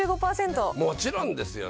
もちろんですよ。